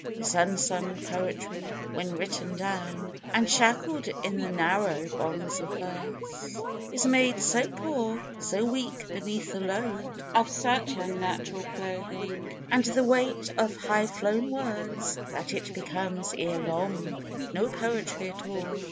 This unsung poetry, when written down And shackled in the narrow bonds of verse, Is made so poor, so weak beneath the load Of such unnatural clothing, and the weight Of high flown words, that it becomes ere long^ No poetry at all.